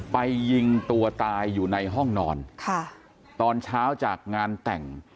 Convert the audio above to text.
ไปยิงตัวตายอยู่ในห้องนอนค่ะตอนเช้าจากงานแต่ง